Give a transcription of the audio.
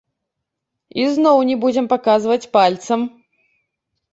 Ізноў не будзем паказваць пальцам.